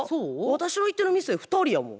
私が行ってる店２人やもん。